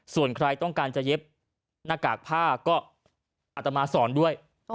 ส่วนใครต้องการจะเย็บหน้ากากผ้าก็อัตมาสอนด้วย